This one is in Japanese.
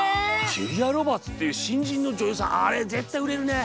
ジュリア・ロバーツっていう新人の女優さんあれ絶対売れるね。